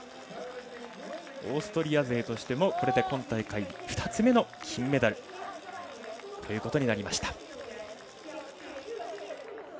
オーストリア勢としても今大会、２つ目の金メダルということになりました。